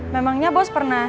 memangnya bos pernah